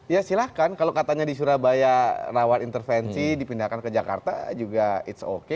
ya silahkan kalau katanya di surabaya rawat intervensi dipindahkan ke jakarta juga it's okay